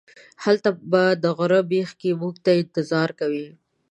هلته به د غره بیخ کې موږ ته انتظار کوئ.